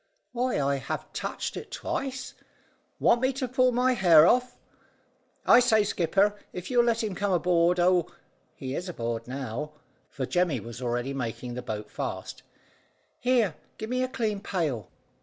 "Why, I have touched it twice. Want me to pull my hair off? I say, skipper, if you'll let him come aboard oh! He is aboard now," for Jemmy was already making the boat fast "Here, give me a clean pail."